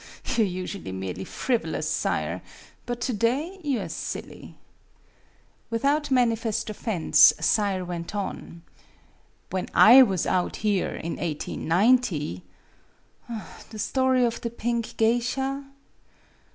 " You are usually merely frivolous, Sayre ; but to day you are silly." Without manifest offense, Sayre went on :" When 1 was out here in 1890 "" The story of the Pink Geisha